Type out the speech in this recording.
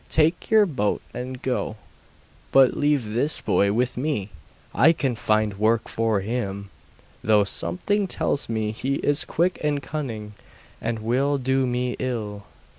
Take your boat and go; but leave this boy with me I can find work for him, though something tells me he is quick and cunning, and will do me ill.